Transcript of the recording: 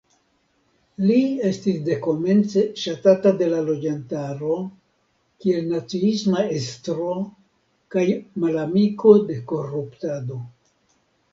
Li estis dekomence ŝatata de la loĝantaro kiel naciisma estro kaj malamiko de koruptado.